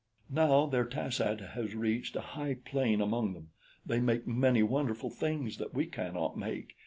"Now their tas ad has reached a high plane among them. They make many wonderful things that we cannot make.